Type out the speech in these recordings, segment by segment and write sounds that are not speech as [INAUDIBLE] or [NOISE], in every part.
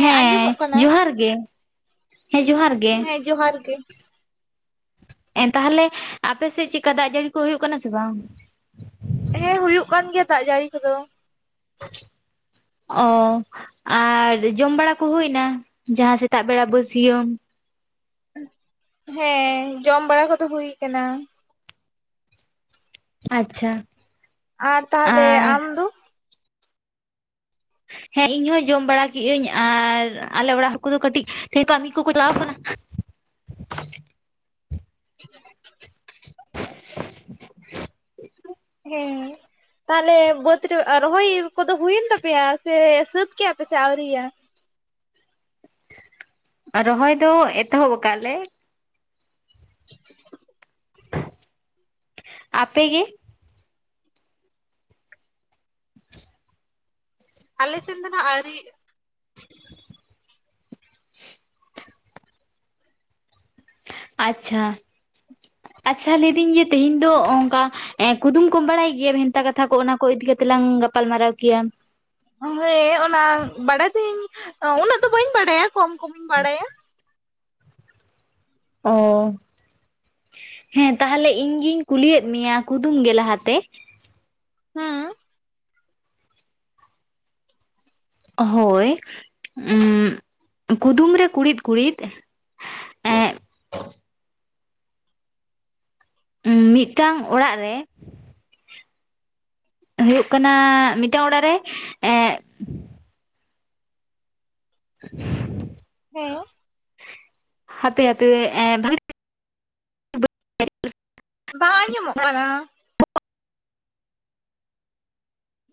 ᱦᱮᱸ ᱟᱸᱡᱚᱢᱚᱜ ᱠᱟᱱᱟ ᱡᱚᱦᱟᱨ ᱜᱮ, ᱦᱮᱸ ᱡᱚᱦᱟᱨ ᱜᱮ᱾ ᱦᱮᱸ ᱡᱚᱦᱟᱨ ᱜᱮ᱾ ᱛᱟᱦᱚᱞᱮ ᱟᱯᱮ ᱥᱮᱫ ᱪᱮᱫᱠᱟ ᱫᱟᱜ ᱡᱟᱹᱲᱤ ᱠᱚ ᱦᱩᱭᱩᱜ ᱠᱟᱱᱟ ᱥᱮ ᱵᱟᱝ? ᱦᱮᱸ ᱦᱩᱭᱩᱜ ᱠᱟᱱ ᱜᱮᱭᱟ ᱫᱟᱜ ᱡᱟᱹᱲᱤ ᱠᱚᱫᱚ ᱾ [INAUDIBLE] ᱚ ᱟᱨ ᱡᱚᱢ ᱵᱟᱲᱟ ᱠᱩ ᱦᱩᱭ ᱮᱱᱟ, ᱡᱟᱦᱟᱸ ᱥᱮᱛᱟᱜ ᱵᱮᱲᱟ ᱵᱟᱹᱥᱭᱢ? ᱦᱮᱸ ᱡᱚᱢ ᱵᱟᱲᱟ ᱠᱚᱫᱚ ᱦᱩᱭ ᱠᱟᱱᱟ। ᱟᱪᱪᱷᱟ। ᱟᱨ ᱛᱟᱦᱚᱞᱮ ᱟᱨ ᱟᱢ ᱫᱚ? ᱦᱮᱸ ᱤᱧ ᱦᱚᱸ ᱡᱚᱢ ᱵᱟᱲᱟ ᱠᱮᱜᱟᱹᱧ ᱟᱨ ᱟᱞᱮ ᱚᱲᱟᱜ ᱦᱚᱲ ᱠᱚᱫᱚ ᱠᱟᱹᱴᱤᱡ ᱠᱟᱹᱢᱤ ᱠᱚᱠᱚ ᱪᱟᱞᱟᱣ ᱠᱟᱱᱟ। [UNINTELLIGIBLE] [UNINTELLIGIBLE] ᱦᱮᱸ। ᱛᱟᱦᱚᱞᱮ ᱵᱟᱹᱫᱽ ᱨᱮ, ᱨᱚᱦᱚᱭ ᱠᱚᱫᱚ ᱦᱩᱭᱮᱱ ᱛᱟᱯᱮᱭᱟ ᱥᱮ ᱥᱟᱹᱛ ᱠᱮᱭᱟ ᱯᱮ ᱥᱮ ᱟᱣᱨᱤᱭᱟ? ᱨᱚᱦᱚᱭ ᱫᱚ ᱮᱛᱚᱦᱚᱵ ᱠᱟᱜ ᱟᱞᱮ᱾ [INAUDIBLE] ᱟᱯᱮ ᱜᱮ? ᱟᱞᱮ ᱥᱮᱫ ᱫᱚ ᱱᱟᱦᱟᱜ ᱟᱣᱨᱤ᱾ [INAUDIBLE] ᱟᱪᱪᱷᱟ ᱟᱪᱪᱷᱟ, ᱞᱟᱹᱭᱫᱤᱧ ᱡᱮ ᱛᱮᱦᱮᱧ ᱫᱚ ᱚᱱᱠᱟᱼᱼ ᱠᱩᱫᱩᱢ ᱠᱚᱢ ᱵᱟᱲᱟᱭ ᱜᱮᱭᱟ, ᱵᱷᱮᱱᱛᱟ ᱠᱟᱛᱷᱟ ᱠᱚ ᱚᱱᱟ ᱠᱚ ᱤᱫᱤ ᱠᱟᱛᱮᱜ ᱞᱟᱝ ᱜᱟᱯᱟᱞ ᱢᱟᱨᱟᱨᱟᱣ ᱠᱮᱭᱟ᱾ ᱦᱮᱸ, ᱚᱱᱟ ᱵᱟᱲᱟᱭ ᱫᱩᱧ ᱩᱱᱟᱹᱜ ᱫᱚ ᱵᱟᱹᱧ ᱵᱟᱲᱟᱭᱟ ᱠᱚᱢ ᱠᱚᱢᱤᱧ ᱵᱟᱲᱟᱭᱟ᱾ ᱚᱼᱼ ᱦᱮᱸ, ᱛᱟᱦᱚᱞᱮ ᱤᱧ ᱜᱤᱧ ᱠᱩᱞᱤᱭᱮᱫ ᱢᱮᱭᱟ ᱠᱩᱫᱩᱢ ᱜᱮ ᱞᱟᱦᱟᱛᱮ᱾ ᱦᱮᱸ᱾ ᱦᱳᱭ ᱩ ᱠᱩᱫᱩᱢ ᱨᱮ ᱠᱩᱬᱤᱫ ᱠᱩᱬᱤᱫᱼᱼ ᱢᱤᱫᱴᱟᱝ ᱚᱲᱟᱜ ᱨᱮᱼᱼ ᱦᱩᱭᱩᱜ ᱠᱟᱱᱟ ᱢᱤᱫᱴᱟᱝ ᱚᱲᱟᱜ ᱨᱮ ᱮᱼᱼ [INAUDIBLE] ᱦᱮᱸ᱾ ᱦᱟᱯᱮ ᱦᱟᱯᱮᱼᱼ ᱵᱟᱝ ᱟᱸ ᱡᱚᱢᱚᱜ ᱠᱟᱱᱟ᱾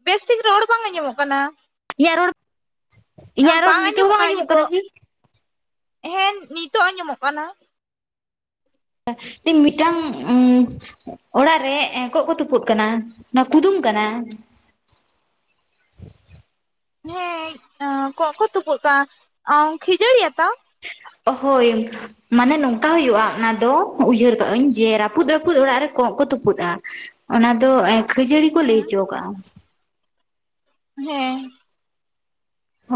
ᱵᱮᱥ ᱴᱷᱤᱠ ᱨᱚᱲ ᱵᱟᱝ ᱟᱸᱡᱚᱢᱚᱜ ᱠᱟᱱᱟ᱾ ᱤᱧᱟᱹᱜ ᱨᱚᱲ ᱤᱧᱟᱹᱜ ᱨᱚᱲ ᱱᱤᱛᱚᱜ ᱦᱚᱸ ᱵᱟᱝ ᱟᱸᱡᱚᱢᱚᱜ ᱠᱟᱱᱟ ᱠᱤ? ᱦᱮᱸ ᱱᱤᱛᱚᱜ ᱟᱸᱡᱚᱢᱚᱜ ᱠᱟᱱᱟ। [UNINTELLIGIBLE] ᱢᱤᱫᱴᱟᱝ ᱩᱼᱼ ᱚᱲᱟᱜ ᱨᱮ ᱠᱚᱜ ᱠᱚ ᱛᱩᱯᱩᱜ ᱠᱟᱱᱟ ᱚᱱᱟ, ᱠᱩᱫᱩᱢ ᱠᱟᱱᱟ ᱾ ᱦᱮᱸ ᱠᱚᱜ ᱠᱚ ᱛᱩᱯᱩᱜ ᱠᱟᱱᱟ ᱠᱷᱤᱡᱟᱹᱲᱤ ᱟᱛᱟ? ᱦᱳᱭ। ᱢᱟᱱᱮ ᱱᱚᱝᱠᱟ ᱦᱩᱭᱩᱜᱼᱟ ᱚᱱᱟ ᱫᱚ ᱩᱭᱦᱟᱹᱨ ᱠᱟᱜ ᱟᱹᱧ ᱡᱮ ᱨᱟᱹᱯᱩᱫ ᱨᱟᱹᱯᱩᱫ ᱚᱲᱟᱜ ᱨᱮ ᱠᱚᱜ ᱠᱚ ᱛᱩᱯᱩᱫᱼᱟ। ᱚᱱᱟ ᱫᱚ ᱠᱷᱟᱹᱡᱟᱹᱲᱤ ᱠᱚ ᱞᱟᱹᱭ ᱦᱮᱸ ᱦᱚᱪᱚ ᱟᱠᱟᱜᱼᱟ। ᱦᱮᱸ।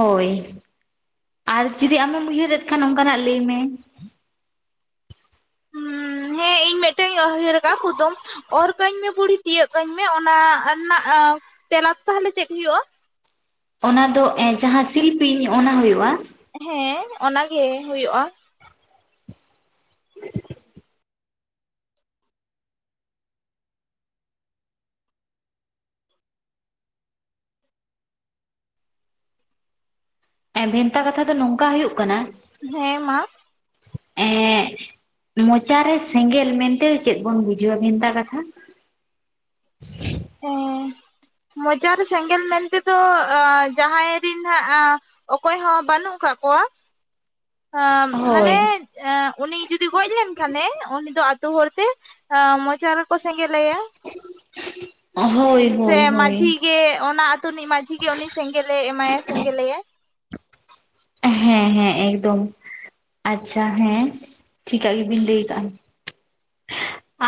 ᱦᱳᱭ ᱟᱨ ᱡᱩᱫᱤ ᱟᱢᱮᱢ ᱩᱭᱦᱟᱹᱨᱮᱫ ᱠᱷᱟᱱ ᱚᱱᱠᱟ ᱱᱟᱜ ᱞᱟᱹᱭᱢᱮ। ᱦᱮᱸ ᱤᱧ ᱢᱤᱫᱴᱟᱝ ᱤᱧ ᱩᱭᱦᱟᱹᱨ ᱟᱠᱟᱫᱼᱟ ᱠᱩᱫᱩᱢ। ᱚᱨ ᱠᱟᱹᱧ ᱢᱮ ᱵᱩᱲᱦᱤ ᱛᱤᱭᱟᱹᱜ ᱠᱟᱹᱧ ᱢᱮ ᱚᱱᱟ ᱨᱮᱱᱟᱜ ᱛᱮᱞᱟ ᱫᱚ ᱛᱟᱦᱚᱞᱮ ᱪᱮᱫ ᱦᱩᱭᱩᱜᱼᱟ? ᱚᱱᱟ ᱫᱚ ᱮ ᱡᱟᱦᱟᱸ ᱥᱤᱞᱯᱤᱧ ᱚᱱᱟ ᱦᱩᱭᱩᱜ-ᱟ᱾ ᱦᱮᱸ ᱚᱱᱟ ᱜᱮ ᱦᱩᱭᱩᱜ-ᱟ᱾ [INAUDIBLE] ᱮ ᱵᱷᱮᱱᱛᱟ ᱠᱟᱛᱷᱟ ᱫᱚ ᱱᱚᱝᱠᱟ ᱦᱩᱭᱩᱜ ᱠᱟᱱᱟ ᱦᱮᱸ ᱢᱟ ᱮᱸ ᱢᱚᱪᱟᱨᱮ ᱥᱮᱸᱜᱮᱞ ᱢᱮᱱᱛᱮ ᱪᱮᱫ ᱵᱚᱱ ᱵᱩᱡᱷᱟᱹᱣᱟ ᱵᱷᱮᱱᱛᱟ ᱠᱟᱛᱷᱟ? ᱮ ᱢᱚᱪᱟᱨ ᱥᱮᱸᱜᱮᱞ ᱢᱮᱱ ᱛᱮᱫᱚ ᱡᱟᱦᱟᱸᱭ ᱨᱤᱱ ᱦᱟᱸᱜ ᱚᱠᱚᱭ ᱦᱚᱸ ᱵᱟᱹᱱᱩᱜ ᱠᱟᱜ ᱠᱚᱣᱟ ᱮᱸ ᱦᱳᱭ ᱢᱟᱱᱮ ᱮᱸ ᱩᱱᱤ ᱡᱩᱫᱤ ᱜᱚᱡ ᱞᱮᱱᱠᱷᱟᱱᱮ ᱩᱱᱤ ᱫᱚ ᱟᱛᱳ ᱦᱚᱲᱛᱮ ᱢᱚᱪ ᱨᱮ ᱠᱚ ᱥᱮᱸᱜᱮᱞᱟᱭᱟ ᱦᱳᱭ ᱥᱮ ᱦᱳᱭ ᱢᱟᱹᱡᱷᱤ ᱦᱳᱭ ᱜᱮ ᱚᱱᱟ ᱟ ᱛᱩ ᱨᱤᱱᱤᱡ ᱢᱟᱺᱡᱷᱤ ᱜᱮ ᱩᱱᱤ ᱥᱮᱸᱜᱮᱞ ᱮᱢᱟᱭᱟ ᱥᱮᱸᱜᱮᱞᱮᱟᱭ ᱦᱮᱸ ᱦᱮᱸ ᱮᱠᱫᱚᱢ ᱟᱪᱪᱷᱟ ᱦᱮᱸ ᱴᱷᱤᱠᱟᱜ ᱜᱮᱵᱤᱱ ᱞᱟᱹᱭ ᱠᱟᱜ-ᱟ᱾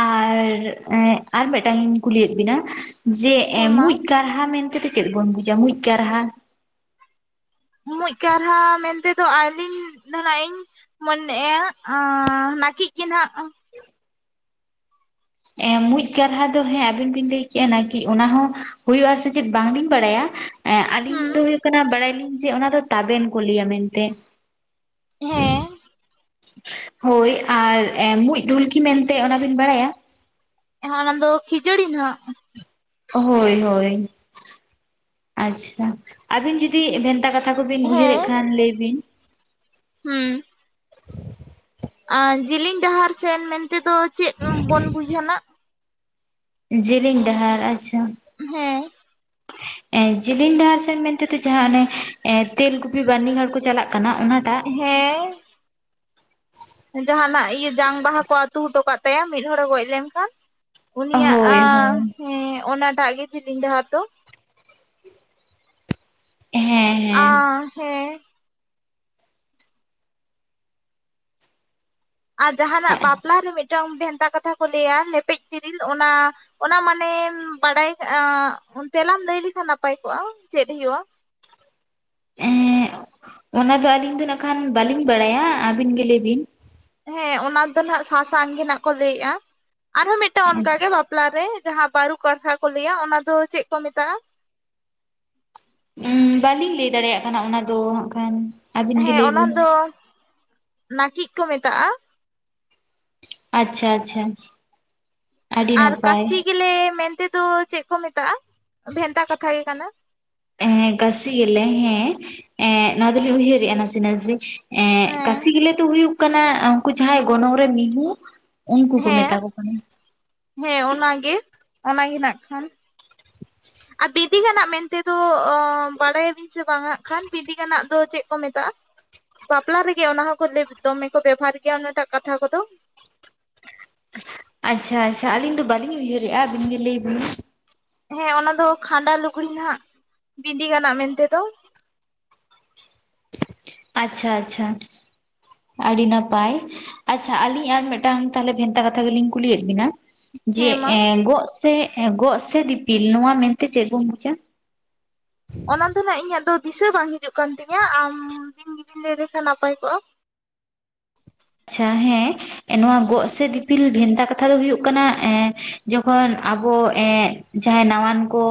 ᱟᱨ ᱟᱨ ᱢᱤᱫᱴᱟᱝᱤᱧ ᱠᱩᱞᱤᱭᱮᱫ ᱵᱤᱱᱟ? ᱡᱮ ᱦᱮᱸ ᱢᱟ ᱢᱩᱡ ᱠᱟᱨᱦᱟ ᱢᱮᱱᱛᱮ ᱫᱚ ᱪᱮᱫ ᱵᱚᱱ ᱵᱩᱡᱟ? ᱢᱩᱡ ᱠᱟᱨᱦᱟ, ᱢᱩᱡ ᱠᱟᱨᱦᱟ ᱢᱮᱱᱛᱮ ᱫᱚ ᱟᱹᱞᱤᱧ ᱫᱚ ᱱᱟᱜ ᱤᱧ ᱢᱚᱱᱮ-ᱟ ᱟᱸ ᱱᱟᱹᱠᱤᱡ ᱜᱮ ᱱᱟᱦᱜ᱾ ᱮ ᱢᱩᱡ ᱠᱟᱨᱦᱟ ᱫᱚ ᱦᱮᱸ ᱟᱵᱤᱱ ᱵᱤᱱ ᱞᱮᱭ ᱠᱮᱜ-ᱟ ᱱᱟᱠᱤᱡ ᱚᱱᱟ ᱦᱚᱸ ᱦᱩᱭᱩᱜ ᱟᱥᱮ ᱪᱮᱫ ᱵᱟᱝ ᱞᱤᱧ ᱵᱟᱲᱟᱭᱟ ᱮ ᱟᱞᱤᱧ ᱦᱩᱸ ᱫᱚ ᱦᱩᱭᱩᱜ ᱠᱟᱱᱟ ᱵᱟᱲᱟᱭᱞᱤᱧ ᱡᱮ ᱚᱱᱟ ᱫᱚ ᱛᱟᱵᱮᱱ ᱠᱚ ᱞᱟᱹᱭᱟ ᱢᱮᱱᱛᱮ᱾ ᱦᱮᱸ ᱦᱳᱭ ᱟᱨ ᱢᱩᱸᱡ ᱰᱷᱩᱞᱠᱤ ᱢᱮᱱᱛᱮ ᱚᱱᱟᱵᱤᱱ ᱵᱟᱲᱟᱭᱟ? ᱦᱮ ᱚᱱᱟ ᱫᱚ ᱠᱷᱤᱡᱟᱹᱲᱤ ᱦᱟᱜ᱾ ᱦᱳᱭ ᱦᱳᱭ ᱟᱪᱪᱷᱟ ᱟᱹᱵᱤᱱ ᱡᱩᱫᱤ ᱵᱷᱮᱱᱛᱟ ᱠᱟᱛ ᱛᱷᱟ ᱠᱩᱵᱤᱱ ᱩᱭᱦᱟᱹᱨᱮᱜ ᱦᱮᱸ ᱠᱷᱟᱱ ᱞᱟᱹᱭ ᱵᱤᱱ ᱦᱩᱸ [INAUDIBLE] ᱟᱨ ᱡᱤᱞᱤᱧ ᱰᱟᱦᱟᱨ ᱥᱮᱱ ᱢᱮᱱᱛᱮ ᱫᱚ ᱪᱮᱫ ᱵᱚᱱ ᱵᱩᱡᱷ‌ᱟ ᱱᱟᱜ? ᱡᱤᱞᱤᱧ ᱰᱟᱦᱟᱨ ᱟᱪᱪᱷᱟ ᱦᱮᱸ ᱮᱸ ᱡᱤᱞᱤᱧ ᱰᱟᱦᱟᱨ ᱥᱮᱱ ᱢᱮᱱᱛᱮ ᱫᱚ ᱡᱟᱦᱟᱸ ᱚᱱᱮ ᱮᱸ ᱛᱮᱞᱠᱩᱯᱤ ᱵᱟᱹᱨᱱᱤ ᱜᱷᱟᱴ ᱠᱚ ᱪᱟᱞᱟᱜ ᱠᱟᱱᱟ ᱚᱱᱟᱴᱟᱜ, ᱦᱮᱸ ᱡᱟᱦᱱᱟᱜ ᱤᱭᱟᱹ ᱡᱟᱝ ᱵᱟᱦᱟ ᱠᱚ ᱟᱛᱩ ᱦᱚᱴᱚ ᱠᱟᱜ ᱛᱟᱭᱟ ᱢᱤᱫ ᱦᱚᱲᱮ ᱜᱚᱡ ᱞᱮᱱᱠᱷᱟᱱ᱾ ᱩᱱᱤᱭᱟᱜ ᱦᱳᱭ ᱦᱳᱭ ᱦᱮᱸ ᱚᱱᱟᱴᱟᱜ ᱜᱮ ᱡᱤᱞᱤᱧ ᱰᱟᱦᱟᱨ ᱫᱚ᱾ ᱦᱮᱸ ᱦᱮᱸ ᱟ ᱦᱮᱸ ᱟᱨ ᱡᱟᱦᱟᱱᱟᱜ ᱵᱟᱯᱞᱟ ᱨᱮ ᱢᱤᱫᱴᱟᱝ ᱵᱷᱮᱱᱛᱟ ᱠᱟᱛᱷᱟ ᱠᱚ ᱞᱟᱹᱭᱟ ᱞᱮᱯᱮᱡ ᱛᱤᱨᱤᱞ ᱚᱱᱟ ᱚᱱᱟ ᱢᱟᱱᱮᱢ ᱵᱟᱰᱟᱭ ᱚᱱ ᱛᱮᱞᱟᱢ ᱞᱟᱹᱭ ᱞᱮᱠᱷᱟᱱ ᱱᱟᱯᱟᱭ ᱠᱚᱜ-ᱟ ᱪᱮᱫ ᱦᱩᱭᱩᱜ-ᱟ? ᱮᱦᱮ ᱚᱱᱟ ᱫᱚ ᱟᱹᱞᱤᱧ ᱫᱚ ᱱᱟᱜ ᱠᱷᱟᱱ ᱵᱟᱞᱤᱧ ᱵᱟᱲᱟᱭᱟ, ᱟᱹᱵᱤᱱ ᱜᱮ ᱞᱟᱹᱭ ᱵᱤᱱ ᱦᱮᱸ ᱚᱱᱟ ᱫᱚ ᱱᱟᱜ ᱥᱟᱥᱟᱝ ᱜᱮ ᱱᱟᱜᱦ ᱠᱚ ᱞᱟᱹᱭᱮᱜ-ᱟ ᱟᱨᱦᱚᱸ ᱢᱤᱫᱴᱟᱝ ᱚᱱᱠᱟᱜ ᱜᱮ ᱟᱪᱪᱷᱟ ᱵᱟ ᱯᱞᱟ ᱨᱮ ᱡᱟᱦᱟᱸ ᱵᱟᱹᱨᱩ ᱠᱟᱲᱠᱷᱟ ᱠᱚ ᱞᱟᱹᱭᱟ ᱚᱱᱟ ᱫᱚ ᱪᱮᱫ ᱠᱚ ᱢᱮᱛᱟᱜ-ᱟ? ᱩ ᱵᱟᱹᱞᱤᱧ ᱞᱟᱹᱭ ᱫᱟᱲᱮᱭᱟᱜ ᱠᱟᱱᱟ ᱚᱱᱟ ᱫᱚ ᱦᱟᱸᱜ ᱠᱷᱟᱱ ᱟᱹᱵᱤᱱ ᱜᱮ ᱦᱮᱸ ᱞᱟᱹᱭ ᱚᱱᱟ ᱵᱤᱱ ᱫᱚ ᱱᱟᱹᱠᱤᱡ ᱠᱚ ᱢᱮᱛᱟᱜ-ᱟ᱾ ᱟᱪᱪᱷᱟ ᱟᱪᱪᱷᱟ ᱟᱹᱰᱤ ᱟᱨ ᱱᱟᱯᱟᱭ ᱠᱟᱥᱤ ᱜᱮᱞᱮ ᱢᱮᱱᱛᱮ ᱫᱚ ᱪᱮᱜ ᱠᱚ ᱢᱮᱛᱟᱜ-ᱟ? ᱵᱷᱮᱱᱛᱟ ᱠᱟᱛᱷᱟ ᱜᱮ ᱠᱟᱱᱟ ᱮ ᱠᱟᱥᱤ ᱜᱮᱞᱮ ᱦᱮᱸ ᱱᱣᱟ ᱫᱚ ᱞᱤᱧ ᱩᱭᱦᱟᱹᱨ ᱨᱮᱜ-ᱟ ᱱᱟᱥᱤ ᱱᱟᱥᱤ ᱮᱸ ᱦᱮᱸ ᱠᱟᱥᱤ ᱜᱮᱞᱮ ᱫᱚ ᱦᱩᱭᱩᱜ ᱠᱟᱱᱟ ᱩᱱᱠᱩ ᱡᱟᱦᱟᱸᱭ ᱜᱚᱱᱚᱝ ᱨᱮ ᱢᱤᱦᱩ ᱩᱱᱠᱩ ᱠᱚ ᱢᱮᱛᱟ ᱦᱮᱸ ᱠᱚ ᱠᱟᱱᱟ᱾ ᱦᱮᱸ ᱚᱱᱟᱜᱮ ᱚᱱᱟᱜᱮ ᱱᱟᱜᱠᱷᱟᱱ᱾ ᱟᱨ ᱵᱤᱫᱤᱜᱟᱱᱟᱜ ᱢᱮᱱᱛᱮ ᱫᱚ ᱚ ᱵᱟᱲᱟᱭ ᱟᱵᱤᱱ ᱥᱮ ᱵᱟᱝ ᱦᱟᱜ ᱠᱷᱟᱱ ᱵᱤᱫᱤᱜᱟᱱᱟᱜ ᱫᱚ ᱪᱮᱫ ᱠᱚ ᱢᱮᱛᱟᱜ-ᱟ? ᱵᱟᱯᱞᱟ ᱨᱮᱜᱮ ᱚᱱᱟ ᱦᱚᱸᱠᱚ ᱫᱮᱵ ᱫᱚᱢᱮ ᱠᱚ ᱵᱮᱵᱷᱟᱨ ᱜᱮᱭᱟ ᱚᱱᱟᱴᱟᱜ ᱠᱟᱛᱷᱟ ᱠᱚᱫᱚ᱾ ᱟᱪᱪᱷᱟ ᱟᱪᱪᱷᱟ ᱟᱹᱞᱤᱧ ᱫᱚ ᱵᱟᱹᱞᱤᱧ ᱩᱭᱦᱟᱹᱨᱮᱜᱼᱟ ᱟᱵᱤᱱ ᱜᱮ ᱞᱟᱹᱭ ᱵᱤᱱ ᱦᱮᱸ ᱚᱱᱟ ᱫᱚ ᱠᱷᱟᱸᱰᱟ ᱞᱩᱜᱽᱲᱤ ᱱᱟᱦᱜ ᱵᱤᱸᱫᱤ ᱜᱟᱱᱟᱜ ᱢᱮᱱᱛᱮ ᱫᱚ ᱟᱪᱪᱷᱟ ᱟᱪᱪᱷᱟ ᱟᱰᱤ ᱱᱟᱯᱟᱭ ᱟᱪᱪᱷᱟ ᱟᱹᱞᱤᱧ ᱟᱨ ᱢᱤᱫᱴᱟᱝ ᱛᱟᱦᱞᱮ ᱵᱷᱮᱱᱛᱟ ᱠᱟᱛᱷᱟ ᱜᱮᱞᱤᱧ ᱠᱩᱞᱤᱭᱮᱫ ᱵᱤᱱᱟ ᱡᱮ ᱦᱮᱸ ᱢᱟ ᱮᱸ ᱜᱚᱜ ᱥᱮ ᱮ ᱜᱚᱜ ᱥᱮ ᱫᱤᱯᱤᱞ ᱱᱚᱣᱟ ᱢᱮᱱᱛᱮ ᱪᱮᱫ ᱵᱚᱱ ᱵᱩᱡᱟ? ᱚᱱᱟ ᱫᱚ ᱱᱟᱦᱜ ᱤᱧᱟᱹᱜ ᱫᱚ ᱫᱤᱥᱟᱹ ᱵᱟᱝ ᱦᱤᱡᱩᱜ ᱠᱟᱱ ᱛᱤᱧᱟᱹ ᱟᱢ ᱵᱤᱱ ᱜᱮᱵᱤᱱ ᱞᱟᱹᱭ ᱞᱮᱠᱷᱟᱱ ᱱᱟᱯᱟᱭ ᱠᱚᱜᱼᱟ ᱪᱷᱟ ᱦᱮᱸ ᱮ ᱱᱚᱣᱟ ᱜᱚᱜ ᱥᱮ ᱫᱤᱯᱤᱞ ᱵᱷᱮᱱᱛᱟ ᱠᱟᱛᱷᱟ ᱫᱚ ᱦᱩᱭᱩᱜ ᱠᱟᱱᱟ ᱮᱸᱻ ᱡᱚᱠᱷᱚᱱ ᱟᱵᱚ ᱮᱸᱻ ᱡᱟᱸᱦᱟᱸᱭ ᱱᱟᱣᱟᱱ ᱠᱚ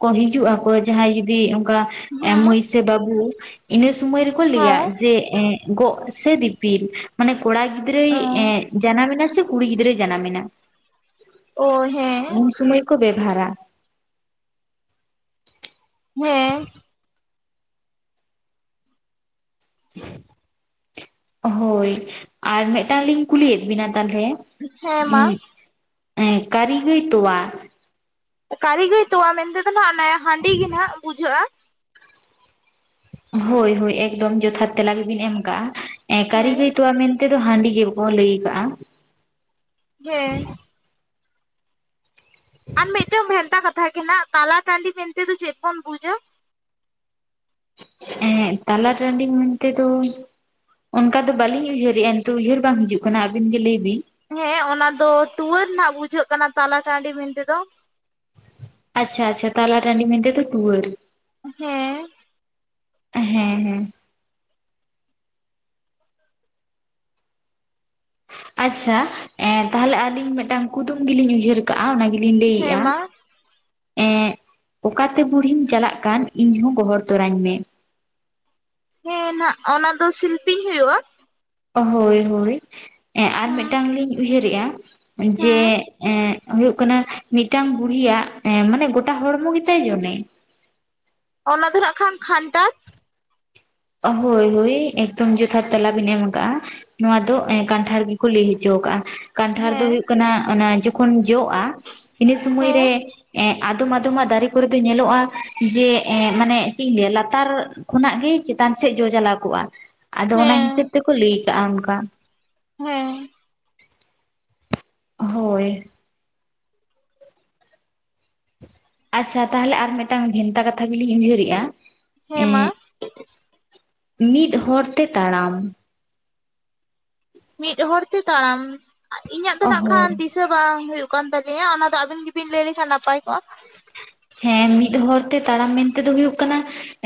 ᱠᱚ ᱦᱤᱡᱩᱜ ᱟᱠᱚ ᱡᱟᱸᱦᱟᱸᱭ ᱡᱩᱫᱤ ᱚᱱᱠᱟ ᱮ ᱢᱟᱹᱭ ᱥᱮ ᱵᱟᱹᱵᱩ ᱤᱱᱟᱹ ᱥᱩᱢᱚᱭ ᱨᱮᱠᱚ ᱞᱟᱹᱭᱟ ᱦᱮᱸ ᱡᱮ ᱮᱜ ᱜᱚᱜ ᱥᱮ ᱫᱤᱯᱤᱞ ᱢᱟᱱᱮ ᱠᱚᱲᱟ ᱜᱤᱫᱽᱨᱟᱹᱭ ᱦᱮᱸ ᱮᱜ ᱡᱟᱱᱟᱢ ᱮᱱᱟ ᱥᱮ ᱠᱩᱲᱤ ᱜᱤᱫᱽᱨᱟᱹ ᱡᱟᱱᱟᱢ ᱮᱱᱟ ᱚ ᱦᱮᱸ ᱩᱱ ᱥᱩᱢᱟᱹᱭ ᱠᱚ ᱵᱮᱵᱷᱟᱨᱟ ᱦᱮᱸ ᱦᱳᱭ ᱟᱨ ᱢᱤᱫᱴᱟᱝ ᱞᱤᱧ ᱠᱩᱞᱤᱭᱮᱫ ᱵᱤᱱᱟ ᱛᱟᱞᱦᱮ ᱦᱮᱸ ᱢᱟ ᱠᱟᱨᱤ ᱜᱟᱹᱭ ᱛᱚᱣᱟ ᱠᱟᱨᱤ ᱜᱟᱹᱭ ᱛᱚᱣᱟ ᱢᱮᱱᱛᱮᱫᱚ ᱱᱟᱸᱜ ᱚᱱᱮ ᱦᱟᱺᱰᱤ ᱜᱤ ᱱᱟᱦᱜ ᱵᱩᱡᱷᱟᱹᱜ-ᱟ᱾ ᱦᱳᱭ ᱦᱳᱭ ᱮᱠᱫᱚᱢ ᱡᱚᱛᱷᱟᱛ ᱛᱮᱞᱟ ᱜᱮᱵᱤᱱ ᱮᱢ ᱠᱟᱜ-ᱟ ᱦᱮᱸ ᱠᱟᱹᱨᱤᱜᱟᱹᱭ ᱛᱚᱣᱟ ᱢᱮᱱ ᱛᱮ ᱫᱚ ᱦᱟᱺᱰᱤ ᱜᱮ ᱠᱚ ᱞᱟᱹᱭ ᱠᱟᱜ-ᱟ ᱦᱮᱸ ᱦ [UNINTELLIGIBLE] ᱟᱨ ᱢᱤᱫᱴᱟᱝ ᱵᱷᱮᱱᱛᱟ ᱠᱟᱛᱷᱟ ᱜᱮ ᱱᱟᱦᱜ ᱛᱟᱞᱟ ᱴᱟᱺᱰᱤ ᱢᱮᱱᱛᱮᱫᱚ ᱪᱮᱫ ᱵᱚᱱ ᱵᱩᱡᱟ? ᱮᱸᱜ ᱛᱟᱞᱟ ᱴᱟᱺᱰᱤ ᱢᱮᱱᱛᱮᱫᱚᱧ ᱚᱱᱠᱟ ᱫᱚ ᱵᱟᱞᱤᱧ ᱩᱭᱦᱟᱹᱨᱮᱜ-ᱟ ᱱᱤᱛᱩ ᱩᱭᱦᱟᱹᱨ ᱵᱟᱝ ᱦᱤᱡᱩᱜ ᱠᱟᱱᱟ ᱟᱹᱵᱤᱱ ᱜᱮ ᱞᱟᱹᱭ ᱵᱤᱱ ᱦᱮᱸ ᱚᱱᱟ ᱫᱚ ᱴᱩᱣᱟᱹᱨ ᱱᱟᱦᱜ ᱵᱩᱡᱷᱟᱹᱜ ᱠᱟᱱᱟ ᱛᱟᱞᱟ ᱴᱟᱺᱰᱤ ᱢᱮᱱᱛᱮᱫᱚ ᱟᱪᱪᱷᱟ ᱟᱪᱪᱷᱟ ᱛᱟᱞᱟ ᱴᱟᱸᱰᱤ ᱢᱮᱱᱛᱮᱫᱚ ᱴᱩᱣᱟᱹᱨ ᱦᱮᱸ ᱦᱮᱸ ᱦᱮᱸ ᱟᱪᱪᱷᱟ ᱮᱸ ᱛᱟᱦᱞᱮ ᱟᱹᱞᱤᱧ ᱢᱤᱫᱴᱟᱝ ᱠᱩᱫᱩᱢ ᱜᱮᱞᱤᱧ ᱩᱭᱦᱟᱹᱨ ᱠᱟᱜᱼᱟ ᱚᱱᱟ ᱜᱮᱞᱤᱧ ᱦᱮᱸ ᱞᱟᱹᱭᱮᱜ-ᱟ ᱢᱟ ᱮᱜ ᱚᱠᱟᱛᱮ ᱵᱩᱲᱦᱤᱢ ᱪᱟᱞᱟᱜ ᱠᱟᱱ ᱤᱧ ᱦᱚᱸ ᱜᱚᱦᱚᱲ ᱛᱚᱨᱟᱧ ᱢᱮ ᱦᱮᱸ ᱱᱟᱦᱜ ᱚᱱᱟ ᱫᱚ ᱥᱤᱞᱯᱤᱧ ᱦᱩᱭᱩᱜᱼᱟ ᱦᱳᱭ ᱦᱳᱭ ᱮᱜ ᱟᱨ ᱦᱮᱸ ᱢᱤᱫᱴᱟᱝ ᱞᱤᱧ ᱩᱭᱦᱟᱹᱨᱮᱜ-ᱟ ᱡᱮ ᱦᱮᱸ ᱮᱜ ᱦᱩᱭᱩᱜ ᱠᱟᱱᱟ ᱢᱤᱫᱴᱟᱝ ᱵᱩᱲᱦᱤᱭᱟᱜ ᱢᱟᱱᱮ ᱜᱚᱴᱟ ᱦᱚᱲᱢᱚ ᱜᱮᱛᱟᱭ ᱡᱚᱱᱮ ᱚᱱᱟ ᱫᱚ ᱱᱟᱜ ᱠᱷᱟᱱ ᱠᱷᱟᱱᱴᱟᱲ ᱦᱳᱭ ᱦᱳᱭ ᱮᱠᱫᱚᱢ ᱡᱚᱛᱷᱟᱛ ᱛᱮᱞᱟ ᱵᱤᱱ ᱮᱢ ᱠᱟᱜ-ᱟ᱾ ᱱᱚᱣᱟ ᱫᱚ ᱠᱟᱱᱴᱷᱟᱲ ᱜᱮᱠᱩ ᱞᱟᱹᱭ ᱦᱚᱪᱚᱣ ᱠᱟᱜ-ᱟ ᱠᱟᱱᱴᱷᱟᱲ ᱫᱚ ᱦᱮᱸ ᱦᱩᱭᱩᱜ ᱠᱟᱱᱟ ᱚᱱᱟ ᱡᱚᱠᱷᱚᱱ ᱡᱚᱜ-ᱟ ᱤᱱᱟᱹ ᱥᱩᱢᱟᱹᱭ ᱦᱮᱸ ᱨᱮ ᱮᱜ ᱟᱫᱚᱢ ᱟᱫᱚᱢᱟᱜ ᱫᱟᱨᱮ ᱠᱚᱨᱮ ᱫᱚ ᱧᱮᱞᱚᱜ-ᱟ ᱡᱮ ᱮ ᱢᱟᱱᱮ ᱪᱮᱜ ᱤᱧ ᱞᱟᱹᱭᱟ ᱞᱟᱛᱟᱨ ᱠᱷᱚᱱᱟᱜ ᱜᱮ ᱪᱮᱛᱟᱱ ᱥᱮᱫ ᱡᱚ ᱪᱟᱞᱟᱣ ᱠᱚᱜ-ᱟ ᱟᱫᱚ ᱚᱱᱟ ᱦᱤᱥᱟᱹᱵ ᱦᱮᱸ ᱛᱮᱠᱚ ᱞᱟᱹᱭ ᱠᱟᱜ-ᱟ ᱚᱱᱠᱟ ᱦᱮᱸ ᱦᱳᱭ ᱟᱪᱪᱷᱟ ᱛᱟᱦᱞᱮ ᱟᱨ ᱢᱤᱫᱴᱟᱝ ᱵᱷᱮᱱᱛᱟ ᱠᱟᱛᱷᱟ ᱜᱮᱞᱤᱧ ᱩᱭᱦᱟᱹᱨᱮᱜ-ᱟ ᱦᱮᱸ ᱢᱟ ᱢᱤᱫ ᱦᱚᱨᱛᱮ ᱛᱟᱲᱟᱢ ᱢᱤᱫ ᱦᱚᱲ ᱛᱮ ᱛᱟᱲᱟᱢ ᱤᱧᱟᱹᱜ ᱫᱚ ᱱᱟᱦᱜ ᱠᱷᱟᱱ ᱦᱳᱭ ᱫᱤᱥᱟᱹ ᱵᱟᱝ ᱦᱩᱭᱩᱜ ᱠᱟᱱ ᱛᱟᱹᱞᱤᱧᱟ ᱚᱱᱟ ᱫᱚ ᱟᱵᱤᱱ ᱜᱤᱵᱤᱱ ᱞᱟᱹᱭ ᱞᱮᱠᱷᱟᱱ ᱱᱟᱯᱟᱭ ᱠᱚᱜ-ᱟ᱾ ᱦᱮᱸ ᱢᱤᱫ ᱦᱚᱲ ᱛᱮ ᱛᱟᱲᱟᱢ ᱢᱮᱱ ᱛᱮᱫᱚ ᱦᱩᱭᱩᱜ ᱠᱟᱱᱟ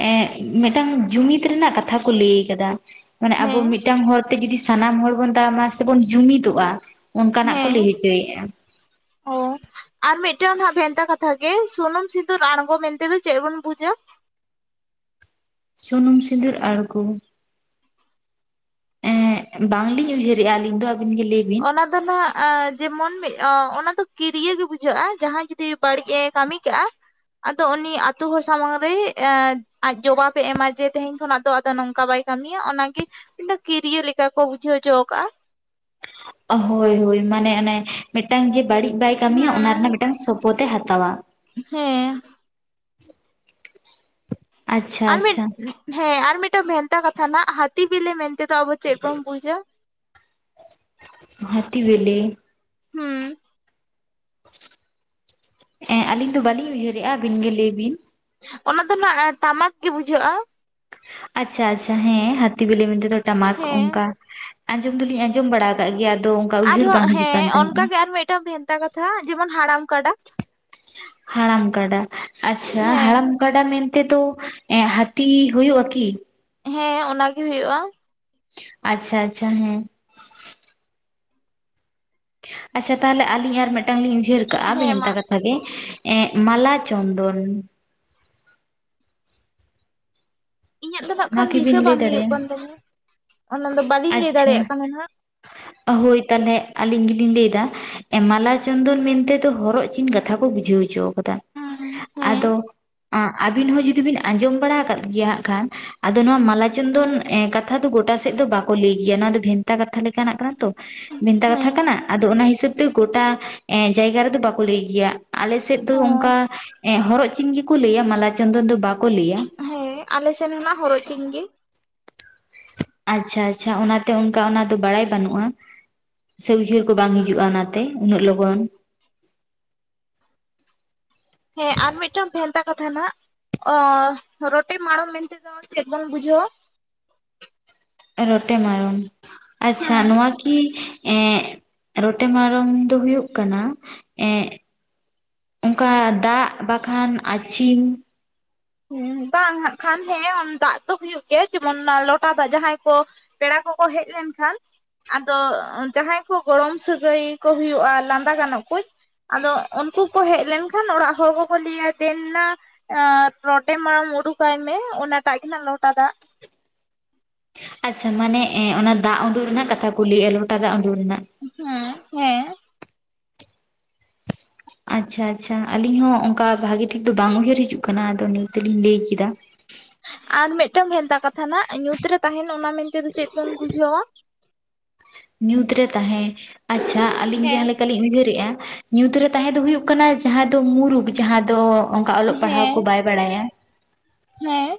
ᱮᱜ ᱢᱤᱫᱴᱟᱝ ᱡᱩᱢᱤᱫ ᱨᱮᱱᱟᱜ ᱠᱟᱛᱷᱟ ᱠᱚ ᱞᱟᱹᱭ ᱠᱟᱫᱟ ᱢᱟᱱᱮ ᱟᱵᱚ ᱦᱮᱸ ᱢᱤᱫᱴᱟᱱ ᱦᱚᱨᱛᱮ ᱡᱩᱫᱤ ᱥᱟᱱᱟᱢ ᱦᱚᱲ ᱵᱚᱱ ᱛᱟᱲᱟᱢᱟ ᱥᱮ ᱵᱚᱱ ᱡᱩᱢᱤᱫᱚᱜ-ᱟ ᱚᱱᱠᱟᱱᱟᱜ ᱠᱚ ᱞᱟᱹᱭ ᱦᱚᱪᱚᱭᱮᱜ-ᱟ ᱦᱮᱞᱳ ᱾ ᱟᱨ ᱢᱤᱫᱴᱟᱹᱱ ᱦᱟᱸᱜ ᱵᱷᱮᱱᱛᱟ ᱠᱟᱛᱷᱟ ᱜᱮ ᱥᱩᱱᱩᱢ ᱥᱤᱸᱫᱩᱨ ᱟᱬᱜᱚ ᱢᱮᱱ ᱛᱮᱫᱚ ᱪᱮᱫ ᱵᱚᱱ ᱵᱩᱡᱟ? ᱥᱩᱱᱩᱢ ᱥᱤᱸᱫᱩᱨ ᱟᱬᱜᱳ ᱮᱸ ᱵᱟᱝᱞᱤᱧ ᱩᱭᱦᱟᱹᱨᱮᱜᱼᱟ ᱟᱹᱞᱤᱧ ᱫᱚ ᱟᱵᱤᱱ ᱜᱮ ᱞᱟᱹᱭ ᱵᱤᱱ ᱾ ᱚᱱᱟ ᱫᱚ ᱱᱟᱸᱜ ᱡᱮᱢᱚᱱ ᱢᱤᱫ ᱚᱱᱟ ᱫᱚ ᱠᱤᱨᱭᱟᱹ ᱜᱮ ᱵᱩᱡᱷᱟᱹᱜᱼᱟ ᱡᱟᱦᱟᱸᱭ ᱡᱩᱫᱤ ᱵᱟᱹᱲᱤᱡ ᱮ ᱠᱟᱹᱢᱤ ᱠᱟᱜᱼᱟ ᱟᱫᱚ ᱩᱱᱤ ᱟᱛᱩ ᱦᱚᱲ ᱥᱟᱢᱟᱝ ᱨᱮ ᱟᱡ ᱡᱚᱵᱟᱵᱮ ᱮᱢᱟ ᱡᱮ ᱛᱮᱦᱮᱧ ᱠᱷᱚᱱᱟᱜ ᱫᱚ ᱟᱫᱚ ᱱᱚᱝᱠᱟ ᱵᱟᱭ ᱠᱟᱹᱢᱤᱭᱟ, ᱚᱱᱟᱜᱮ [UNINTELLIGIBLE] ᱠᱤᱨᱭᱟᱹ ᱞᱮᱠᱟ ᱠᱚ ᱵᱩᱡᱷᱟᱹᱣ ᱦᱚᱪᱚ ᱠᱟᱜᱼᱟ ᱾ ᱦᱳᱭ ᱦᱳᱭ ᱢᱟᱱᱮ ᱚᱱᱮ ᱢᱤᱫᱴᱟᱝ ᱡᱮ ᱵᱟᱹᱲᱤᱡ ᱵᱟᱭ ᱠᱟᱹᱢᱤᱭᱟ ᱚᱱᱟ ᱨᱮᱱᱟᱜ ᱦᱩᱸ ᱢᱤᱫᱴᱟᱝ ᱥᱚᱯᱚᱛ ᱮ ᱦᱟᱛᱟᱣᱟ ᱾ ᱦᱮᱸ ᱾ ᱟᱪᱪᱷᱟ ᱟᱨ ᱢᱤᱫ ᱟᱪᱪᱷᱟ ᱦᱮᱸ ᱟᱨ ᱢᱤᱫᱴᱟᱝ ᱵᱷᱮᱱᱛᱟ ᱠᱟᱛᱷᱟ ᱱᱟᱜ ᱦᱟᱹᱛᱤ ᱵᱤᱞᱤ ᱢᱮᱱᱛᱮ ᱫᱚ ᱟᱵᱚ ᱪᱮᱫ ᱵᱚᱱ ᱵᱩᱡᱟ? ᱦᱟᱛᱤ ᱵᱮᱞᱮ? ᱦᱩᱸ ᱾ ᱮᱸ ᱟᱹᱞᱤᱧ ᱫᱚ ᱵᱟᱹᱞᱤᱧ ᱩᱭᱦᱟᱹᱨᱮᱜᱼᱟ, ᱟᱹᱵᱤᱱ ᱜᱮ ᱞᱟᱹᱭ ᱵᱤᱱ ᱾ ᱚᱱᱟ ᱫᱚ ᱱᱟᱜ ᱴᱟᱢᱟᱠ ᱜᱮ ᱵᱩᱡᱷᱟᱹᱜᱼᱟ ᱾ ᱟᱪᱪᱷᱟ ᱟᱪᱪᱷᱟ ᱦᱮᱸ ᱦᱟᱹᱛᱤ ᱵᱤᱞᱤ ᱢᱮᱱᱛᱮ ᱫᱚ ᱴᱟᱢᱟᱠ ᱦᱮᱸ ᱚᱱᱠᱟ ᱟᱸᱡᱚᱢ ᱫᱚᱞᱤᱧ ᱟᱸᱡᱚᱢ ᱵᱟᱲᱟᱣ ᱠᱟᱜ ᱜᱮᱭᱟ ᱟᱫᱚ ᱚᱱᱠᱟ ᱩᱭᱦᱟᱹᱨ ᱟᱨᱦᱚᱸ ᱵᱟᱝ ᱦᱤᱡᱩᱜ ᱠᱟᱱ ᱦᱮᱸ ᱛᱟᱦᱮᱸᱫᱼᱟ ᱚᱱᱠᱟᱜᱮ ᱾ ᱟᱨ ᱢᱮᱫᱴᱟᱝ ᱵᱷᱮᱱᱛᱟ ᱠᱟᱛᱷᱟ ᱡᱮᱢᱚᱱ ᱦᱟᱲᱟᱢ ᱠᱟᱰᱟ ᱾ ᱦᱟᱲᱟᱢ ᱠᱟᱰᱟ ᱟᱪᱪᱷᱟ ᱦᱮᱸ ᱦᱟᱲᱟᱢ ᱜᱟᱰᱟ ᱢᱮᱱ ᱛᱮ ᱫᱚ ᱮᱸ ᱦᱟᱹᱛᱤ ᱦᱩᱭᱩᱜᱼᱟ ᱠᱤ? ᱦᱮᱸ ᱚᱱᱟ ᱜᱮ ᱦᱩᱭᱩᱜᱼᱟ ᱾ ᱟᱪᱪᱷᱟ ᱟᱪᱪᱷᱟ ᱦᱮᱸ ᱾ ᱟᱪᱪᱷᱟ ᱛᱟᱦᱚᱞᱮ ᱟᱹᱞᱤᱧ ᱟᱨ ᱢᱤᱫᱴᱟᱝ ᱞᱤᱧ ᱩᱭᱦᱟᱹᱨ ᱠᱟᱜᱼᱟ ᱦᱮᱸ ᱢᱟ ᱵᱷᱮᱱᱛᱟ ᱠᱟᱛ ᱛᱷᱟ ᱜᱮ ᱮᱸ ᱢᱟᱞᱟ ᱪᱚᱱᱫᱚᱱ ᱾ ᱤᱧᱟᱹᱜ ᱫᱚ ᱱᱟᱜ ᱱᱚᱣᱟ ᱠᱷᱟᱱ ᱫᱤᱥᱟᱹ ᱠᱤᱵᱤᱱ ᱞᱟᱹᱭ ᱵᱟᱝ ᱦᱩᱭᱩᱜ ᱫᱟᱲᱮᱭᱟᱜᱼᱟ ᱠᱟᱱ ᱛᱟᱞᱤᱧᱟ ᱾ ᱟᱪᱪᱷᱟ ᱦᱳᱭ ᱛᱟᱦᱚᱞᱮ ᱟᱹᱞᱤᱧ ᱜᱮᱞᱤᱧ ᱞᱟᱹᱭ ᱮᱫᱟ ᱾ ᱢᱟᱞᱟ ᱪᱚᱱᱫᱚᱱ ᱢᱮᱱᱛᱮᱫᱚ ᱦᱚᱨᱚᱜ ᱪᱤᱱ ᱠᱟᱛᱷᱟ ᱠᱚ ᱵᱩᱡᱷᱟᱹᱣ ᱦᱚᱪᱚ ᱠᱟᱫᱟ, ᱟᱫᱚ ᱦᱮᱸ ᱟᱹᱵᱤᱱ ᱦᱚᱸ ᱡᱩᱫᱤ ᱵᱤᱱ ᱟᱸᱡᱚᱢ ᱵᱟᱲᱟ ᱟᱠᱟᱫ ᱜᱮᱭᱟ ᱦᱟᱸᱜ ᱠᱷᱟᱱ ᱾ ᱟᱫᱚ ᱱᱚᱣᱟ ᱢᱟᱞᱟ ᱪᱚᱱᱫᱚᱱ ᱠᱟᱛᱷᱟ ᱫᱚ ᱜᱚᱴᱟ ᱥᱮᱫ ᱫᱚ ᱵᱟᱠᱚ ᱞᱟᱹᱭ ᱜᱮᱭᱟ ᱾ ᱱᱚᱣᱟ ᱫᱚ ᱵᱷᱮᱱᱛᱟ ᱠᱟᱛᱷᱟ ᱞᱮᱠᱟᱱᱟᱜ ᱠᱟᱱᱟ ᱛᱚ ᱵᱷᱮᱱᱛᱟ ᱦᱮᱸ ᱠᱟᱛᱷᱟ ᱠᱟᱱᱟ ᱟᱫᱚ ᱚᱱᱟ ᱦᱤᱥᱟᱹᱵ ᱛᱮ ᱜᱚᱴᱟ ᱡᱟᱭᱜᱟ ᱨᱮᱫᱚ ᱵᱟᱠᱚ ᱞᱟᱹᱭ ᱜᱮᱭᱟ ᱟᱞᱮ ᱥᱮᱫ ᱫᱚ ᱚ ᱚᱱᱠᱟ ᱮᱸᱜ ᱦᱚᱨᱚᱜ ᱪᱤᱱ ᱜᱮᱠᱚ ᱞᱟᱹᱭᱟ ᱢᱟᱞᱟ ᱪᱚᱱᱫᱚᱱ ᱫᱚ ᱵᱟᱠᱚ ᱞᱟᱹᱭᱟ ᱾ ᱦᱮᱸ ᱟᱞᱮ ᱥᱮᱱ ᱦᱚᱸᱱᱟᱜ ᱦᱚᱨᱚᱜ ᱪᱤᱱ ᱜᱮ ᱾ ᱟᱪᱪᱷᱟ ᱟᱪᱪᱷᱟ ᱚᱱᱟᱛᱮ ᱚᱱᱠᱟ ᱚᱱᱟ ᱫᱚ ᱵᱟᱲᱟᱭ ᱵᱟᱹᱱᱩᱜᱼᱟ ᱾ ᱥᱮ ᱩᱭᱦᱟᱹᱨ ᱠᱚ ᱵᱟᱝ ᱦᱤᱡᱩᱜᱼᱟ ᱚᱱᱟᱛᱮ ᱩᱱᱟᱹᱜ ᱞᱚᱜᱚᱱ ᱾ ᱦᱮᱸ ᱟᱨ ᱢᱤᱫᱴᱟᱝ ᱵᱷᱮᱱᱛᱟ ᱠᱟᱛᱷᱟ ᱱᱟᱜ ᱚᱻ ᱨᱚᱴᱨ ᱢᱟᱲᱚᱢ ᱢᱮᱱ ᱛᱮᱫᱚ ᱪᱮᱫ ᱵᱚᱱ ᱵᱩᱡᱷᱟᱹᱣᱟ? ᱨᱚᱴᱮ ᱢᱟᱲᱚᱢ ᱟᱪᱪᱷᱟ ᱦᱮᱸ ᱱᱚᱣᱟ ᱠᱤ ᱮᱸᱜ ᱨᱚᱴᱮ ᱢᱟᱲᱚᱢ ᱫᱚ ᱦᱩᱭᱩᱜ ᱠᱟᱱᱟ ᱮᱸᱜ ᱚᱱᱠᱟ ᱫᱟᱜ ᱵᱟᱠᱷᱟᱱ ᱟᱹᱪᱷᱤᱢ ᱦᱩᱸ ᱵᱟᱝ ᱦᱟᱜ ᱠᱷᱟᱱ ᱦᱮᱸ ᱫᱟᱜ ᱫᱚ ᱦᱩᱭᱩᱜ ᱜᱮᱭᱟ, ᱡᱮᱢᱚᱱ ᱚᱱᱟ ᱞᱚᱴᱟ ᱫᱟᱜ ᱡᱟᱦᱟᱸᱭ ᱠᱚ ᱯᱮᱲᱟ ᱠᱚᱠᱚ ᱦᱮᱡ ᱞᱮᱱᱠᱷᱟᱱ ᱟᱫᱚ ᱡᱟᱦᱟᱸᱭ ᱠᱩ ᱜᱚᱲᱚᱢ ᱥᱟᱹᱜᱟᱹᱭ ᱠᱚ ᱦᱩᱭᱩᱜᱼᱟ ᱞᱟᱸᱫᱟ ᱜᱟᱱᱚᱜ ᱠᱩᱡ ᱟᱫᱚ ᱩᱱᱠᱩ ᱠᱚ ᱦᱮᱡ ᱞᱮᱱᱠᱷᱟᱱ ᱚᱲᱟᱜ ᱦᱚᱲ ᱠᱚᱠᱚ ᱞᱟᱹᱭᱟ ᱫᱮᱱ ᱱᱟ ᱨᱚᱴᱮ ᱢᱟᱲᱚᱢ ᱩᱰᱩᱠ ᱟᱭ ᱢᱮ ᱚᱱᱟ ᱴᱟᱜ ᱜᱮ ᱱᱟᱜ ᱞᱚᱴᱟ ᱫᱟᱜ ᱾ ᱟᱪᱪᱷᱟ ᱢᱟᱱᱮ ᱮᱸ ᱚᱱᱟ ᱫᱟᱜ ᱩᱰᱩᱠ ᱨᱮᱱᱟᱜ ᱠᱟᱛᱷᱟ ᱠᱩ ᱞᱟᱹᱭᱮᱫᱼᱟ ᱞᱚᱴᱟ ᱫᱟᱜ ᱩᱰᱩᱠ ᱨᱮᱱᱟᱜ ᱾ ᱦᱩᱸ ᱦᱮᱸ ᱾ ᱟᱪᱪᱷᱟ ᱟᱪᱪᱷᱟ ᱟᱞᱤᱧ ᱦᱚᱸ ᱚᱱᱠᱟ ᱵᱷᱟᱜᱤ ᱴᱷᱤᱠ ᱫᱚ ᱵᱟᱝ ᱩᱭᱦᱟᱹᱨ ᱦᱤᱡᱩᱜ ᱠᱟᱱᱟ ᱟᱫᱚ ᱱᱤᱭᱟᱹ ᱛᱮᱞᱤᱧ ᱞᱟᱹᱭ ᱠᱮᱫᱟ ᱾ ᱟᱨ ᱢᱤᱫᱴᱟᱝ ᱵᱷᱮᱱᱛᱟ ᱠᱟᱛᱷᱟ ᱱᱟᱜ, ᱧᱩᱛ ᱨᱮ ᱛᱟᱦᱮᱱ ᱚᱱᱟ ᱢᱮᱱ ᱛᱮᱫᱚ ᱪᱮᱫ ᱵᱚᱱ ᱵᱩᱡᱷᱟᱹᱣᱟ? ᱧᱩᱛ ᱨᱮ ᱛᱟᱦᱮᱸ ᱟᱪᱪᱷᱟ ᱟᱹᱞᱤᱧ ᱦᱮᱸ ᱡᱟᱦᱟᱸ ᱞᱮᱠᱟ ᱞᱤᱧ ᱩᱭᱦᱟᱹᱨᱮᱜᱼᱟ ᱧᱩᱛ ᱨᱮ ᱛᱟᱦᱮᱸ ᱫᱚ ᱦᱳᱜ ᱠᱟᱱᱟ ᱡᱟᱦᱟᱸ ᱫᱚ ᱢᱩᱨᱩᱠᱷ ᱡᱟᱦᱟᱸ ᱫᱚ ᱚᱱᱠᱟ ᱚᱞᱚᱜ ᱯᱟᱲᱦᱟᱣ ᱠᱚ ᱵᱟᱭ ᱵᱟᱲᱟᱭᱟ᱾ ᱦᱮᱸᱻ